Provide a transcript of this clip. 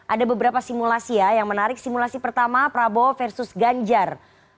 ada beberapa simulasi ya yang menarik simulasi pertama prabowo versus ganjar